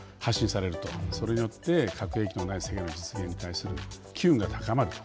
それによって核兵器のない世界の実現に対する機運が高まると。